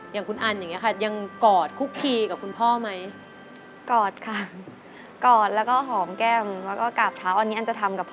อย่างคุณอันอย่างนี้ค่ะยังกอดคุกพีกับคุณพ่อไหม